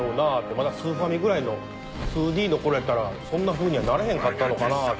まだスーファミぐらいの２Ｄのころやったらそんなふうにはなれへんかったのかなっていう。